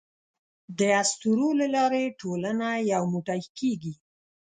د اسطورو له لارې ټولنه یو موټی کېږي.